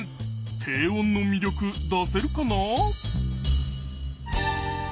低音の魅力出せるかな？